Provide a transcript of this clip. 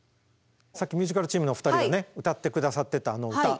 さっきミュージカルチームのお二人が歌って下さってたあの歌。